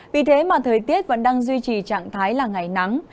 vì thế mà thời tiết vẫn đang duy trì trạng thái là ngày nắng